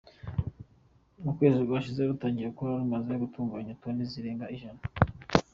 Mu kwezi gushize rutangiye gukora rumaze gutunganya toni zirenga ijana.